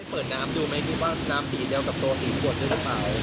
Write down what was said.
เปิดน้ำดูไหมคิดว่าน้ำสีเดียวกับตัวสีขวดด้วยหรือเปล่า